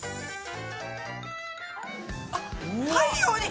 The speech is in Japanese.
あっ太陽に！